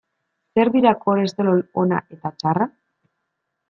Zer dira kolesterol ona eta txarra?